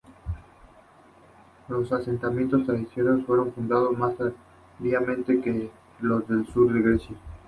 Los asentamientos tracios fueron fundados más tardíamente que los del sur de Grecia.